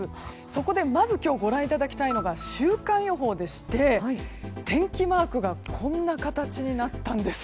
そこでまずご覧いただきたいのが週間予報でして天気マークがこんな形になったんです。